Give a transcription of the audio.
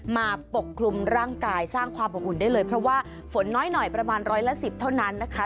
ปกคลุมร่างกายสร้างความอบอุ่นได้เลยเพราะว่าฝนน้อยหน่อยประมาณร้อยละสิบเท่านั้นนะคะ